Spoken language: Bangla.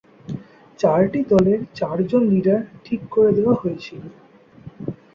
চারটি দলের চারজন লিডার ঠিক করে দেয়া হয়েছিল।